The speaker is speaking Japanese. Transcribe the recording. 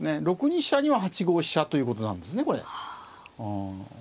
６二飛車には８五飛車ということなんですねこれ。はあ。